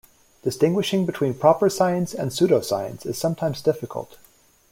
Distinguishing between proper science and pseudoscience is sometimes difficult.